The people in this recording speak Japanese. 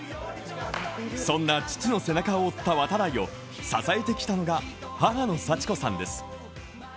そんな父の背中を追った度会を支えてきたのが母の祥子さんです。